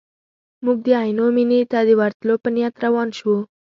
موږ د عینو مینې ته د ورتلو په نیت روان شوو.